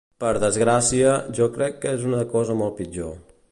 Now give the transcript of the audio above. Per desgràcia jo crec que és una cosa molt pitjor.